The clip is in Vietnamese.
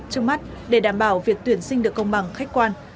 trước mắt để đảm bảo việc tuyển sinh được công bằng khách quan